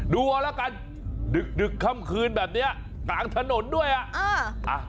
ดูเอาละกันดึกดึกค่ำคืนแบบนี้กลางถนนด้วยอ่ะ